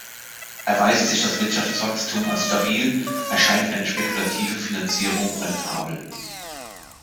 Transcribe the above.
Erweist sich das Wirtschaftswachstum als stabil, erscheint eine spekulative Finanzierung rentabel.